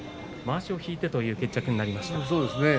まわしを引いてという決着になりました。